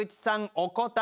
お答え